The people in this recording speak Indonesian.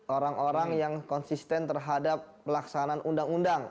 orang orang yang konsisten terhadap pelaksanaan undang undang